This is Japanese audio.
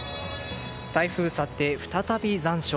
台風去って再び残暑。